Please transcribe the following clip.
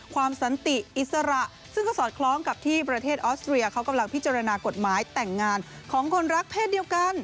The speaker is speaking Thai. สันติอิสระซึ่งก็สอดคล้องกับที่ประเทศออสเตรียเขากำลังพิจารณากฎหมายแต่งงานของคนรักเพศเดียวกัน